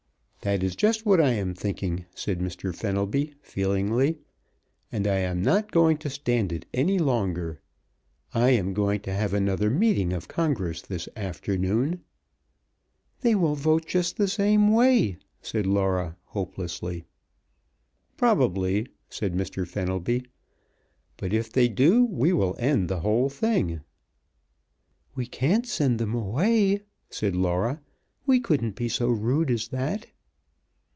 "That is just what I think," said Mr. Fenelby feelingly, "and I am not going to stand it any longer. I am going to have another meeting of congress this afternoon " "They will vote just the same way," said Laura, hopelessly. "Probably," said Mr. Fenelby. "But if they do we will end the whole thing." "We can't send them away," said Laura. "We couldn't be so rude as that."